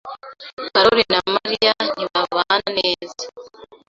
karoli na Mariya ntibabana neza.